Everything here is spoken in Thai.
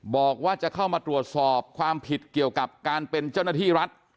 บอกว่าจะเข้ามาตรวจสอบความผิดเกี่ยวกับการเป็นเจ้าหน้าที่รัฐ